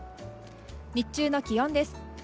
日中の気温です。